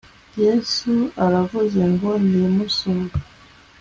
yesu aravuze ngo nimusohoke